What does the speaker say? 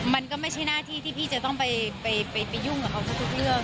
มันก็ไม่ใช่หน้าที่ที่พี่จะต้องไปยุ่งกับเขาทุกเรื่อง